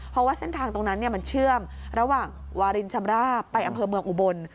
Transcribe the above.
เพราะว่าเส้นทางตรงนั้นมันเชื่อมระหว่างวารินชำราบไปอำเภอเมืองอุบล